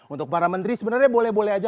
untuk para menteri sebenarnya boleh boleh aja